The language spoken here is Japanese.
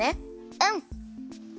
うん。